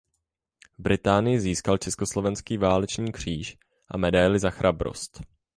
V Británii získal československý válečný kříž a medaili za chrabrost.